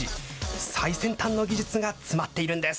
最先端の技術が詰まっているんです。